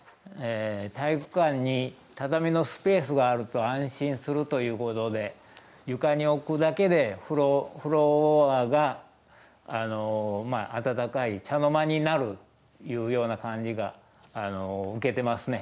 体育館に畳のスペースがあると安心するということで床に置くだけでフロアがあたたかい茶の間になるいうような感じが受けてますね。